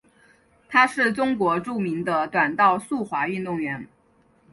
她是中国著名的短道速滑运动员。